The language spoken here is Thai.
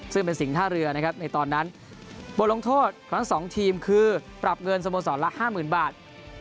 ซึ่งเป็นสิงท่าเรือนะครับในตอนนั้นบทลงโทษของทั้งสองทีมคือปรับเงินสโมสรละ๕๐๐๐บาท